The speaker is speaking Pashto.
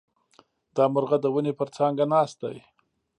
دا مرغه د ونې پر څانګه ناست دی.